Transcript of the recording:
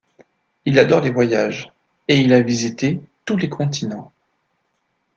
Il adore les voyages et il a visité tous les continents.